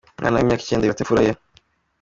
Umwana w’imyaka icyenda yibarutse imfura ye